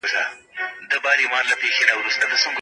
دولت باید د تورم مخه ونیسي.